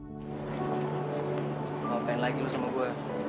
mau pengen lagi lu sama gua ya